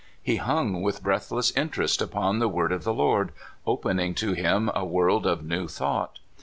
He hung with breathless interest upon the word of the Lord, opening to him a world of new thought.